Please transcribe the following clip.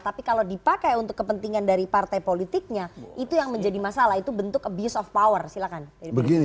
tapi kalau dipakai untuk kepentingan dari partai politiknya itu yang menjadi masalah itu bentuk abuse of power silahkan